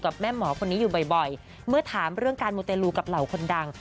แม่หมอคนนี้อยู่บ่อยเมื่อถามเรื่องการมูเตลูกับเหล่าคนดัง